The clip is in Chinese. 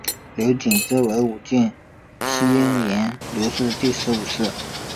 刘谨之为武进西营刘氏第十五世。